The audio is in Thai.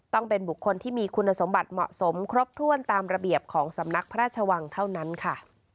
ต้องเป็นบุคคลที่มีคุณสมบัติเหมาะสมครบถ้วนตามระเบียบของสำนักพระราชวังเท่านั้นค่ะ